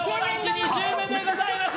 ２周目でございます。